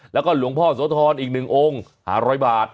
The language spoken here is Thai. แล้วก็หลวงพ่อโสธรอีก๑องค์๕๐๐บาท